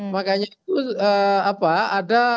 makanya itu apa ada